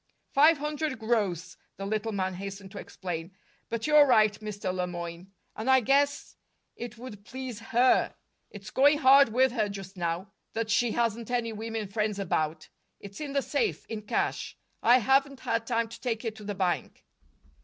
"Five hundred gross," the little man hastened to explain. "But you're right, Mr. Le Moyne. And I guess it would please HER. It's going hard with her, just now, that she hasn't any women friends about. It's in the safe, in cash; I haven't had time to take it to the bank."